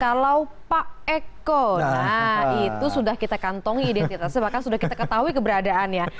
kalau pak eko nah itu sudah kita kantongi identitasnya bahkan sudah kita ketahui keberadaannya